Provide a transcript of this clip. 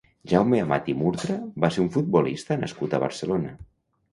Jaume Amat i Murtra va ser un futbolista nascut a Barcelona.